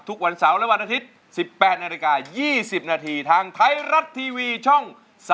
ทุกวันเสาร์และวันอาทิตย์๑๘นาฬิกา๒๐นาทีทางไทยรัฐทีวีช่อง๓๒